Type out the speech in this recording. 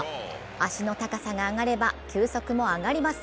足の高さが上がれば球速も上がります。